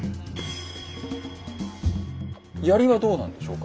槍はどうなんでしょうか？